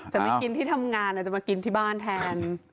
จะไม่กินที่ทำงานอาจจะมากินที่บ้านแทน